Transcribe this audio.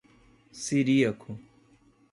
Ciríaco